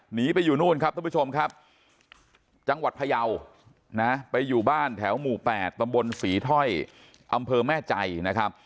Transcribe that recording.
หนีไปอยู่นู่นครับท่านผู้ชมครับจังหวัดพยาวนะไปอยู่บ้านแถวหมู่๘ตำบลศรีถ้อยอำเภอแม่ใจนะครับ